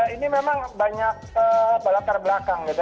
ini memang banyak berlatar belakang gitu